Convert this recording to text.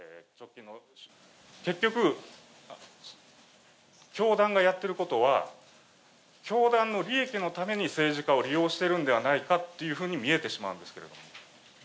結局、教団がやっていることは、教団の利益のために政治家を利用しているんではないかというふうに見えてしまうんですけれど。